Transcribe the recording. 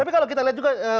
tapi kalau kita lihat juga